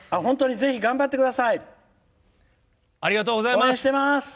ぜひ、頑張ってください！